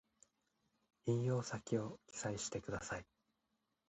引用先を記載してください